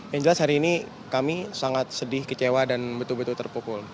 yang jelas hari ini kami sangat sedih kecewa dan betul betul terpukul